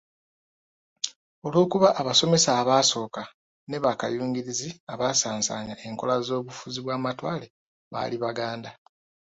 Olw'okuba abasomesa abaasooka ne bakayungirizi abaasasaanya enkola z'obufuzi bwa matwale baali Baganda.